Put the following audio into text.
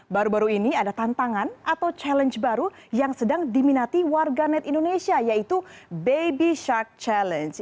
baru baru ini ada tantangan atau challenge baru yang sedang diminati warga net indonesia yaitu baby shark challenge